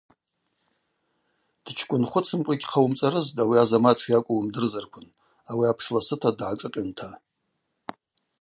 Дчкӏвынхвыцымкӏва йгьхъауымцӏарызтӏ ауи Азамат шйакӏву уымдырзарквын – ауи апш дласыта дгӏашӏыкъьунта.